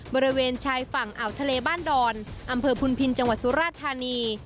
บริเวณชายฝั่งอ่าวทะเลบ้านดอนอำเภอพุนพินจังหวัดสุราธานี